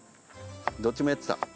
どっちもやってた。